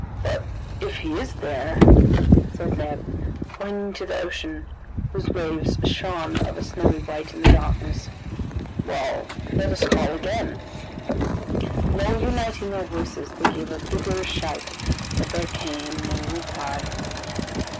"But if he is there," said Neb, pointing to the ocean, whose waves shone of a snowy white in the darkness. "Well, let us call again," and all uniting their voices, they gave a vigorous shout, but there came no reply.